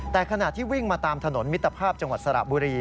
แต่ขณะที่วิ่งมาตามถนนมิตรภาพจังหวัดสระบุรี